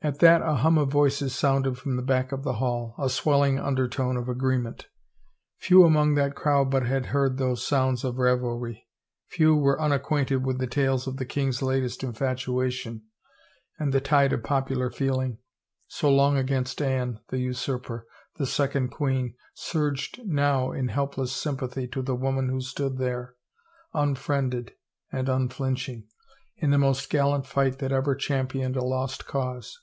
At that a hum of voices sounded from the back of 359 THE FAVOR OF KINGS the hall, a swelling undertone of agreement. Few among that crowd but had heard those sounds of revelry, few were unacquainted with the tales of the king's latest in fatuation, and the tide of popular feeling, so long against Anne, the usurper, the second queen, surged now in helpless sympathy to the woman who stood there, un friended and unflinching, in the most gallant fight that ever championed a lost cause.